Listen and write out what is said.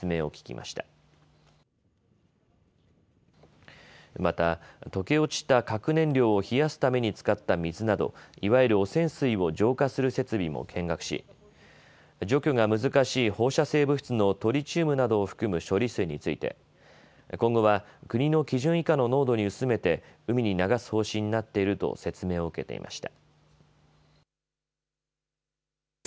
また溶け落ちた核燃料を冷やすために使った水などいわゆる汚染水を浄化する設備も見学し除去が難しい放射性物質のトリチウムなど含む処理水について今後は国の基準以下の濃度に薄めて海に流す方針になっていると説明を受けていました。